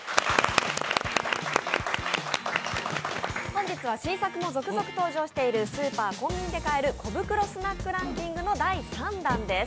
本日は新作も続々登場しているスーパー、コンビニで買える小袋スナックランキングの第３弾です。